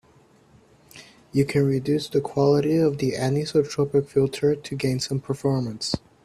You can reduce the quality of the anisotropic filter to gain some performance.